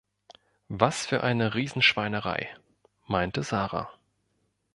„Was für eine Riesenschweinerei“, meinte Sarah.